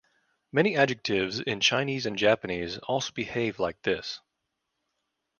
Many adjectives in Chinese and Japanese also behave like this.